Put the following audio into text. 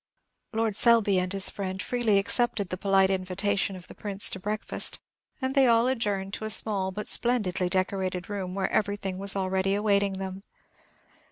Lord Selby and his friend freely accepted the polite invitation of the Prince to breakfast, and they all adjourned to a small but splendidly decorated room, where everything was already awaiting them.